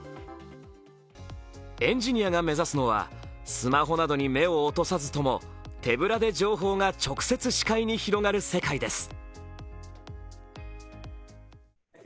エンジニアが目指すのはスマホなどに目を落とさずとも手ぶらで情報が直接広がる世界です。